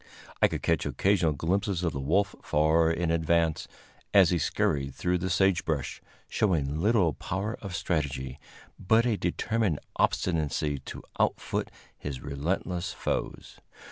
I could catch occasional glimpses of the wolf far in advance, as he scurried through the sagebrush, showing little power of strategy, but a determined obstinacy to outfoot his relentless foes.